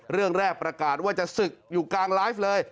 เรื่องแรกประกาศว่าจะศึกอยู่กลางไลฟ์เลย